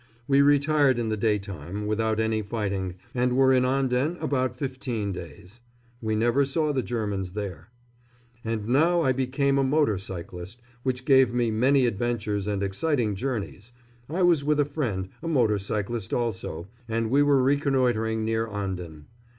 We retired in the daytime, without any fighting, and were in Anden about fifteen days. We never saw the Germans there. And now I became a motor cyclist, which gave me many adventures and exciting journeys. I was with a friend, a motor cyclist also, and we were reconnoitring near Anden.